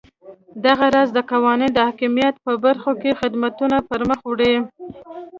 دغه راز د قانون د حاکمیت په برخو کې خدمتونه پرمخ وړي.